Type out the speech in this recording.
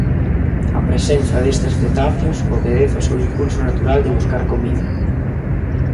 A presenza destes cetáceos obedece ao seu impulso natural de buscar comida.